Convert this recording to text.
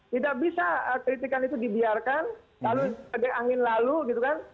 tidak bisa kritikan itu dibiarkan lalu sebagai angin lalu gitu kan